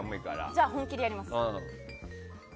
じゃあ本気でやります。